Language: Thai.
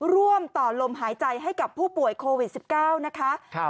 ร่วมต่อลมหายใจให้กับผู้ป่วยโควิด๑๙นะคะ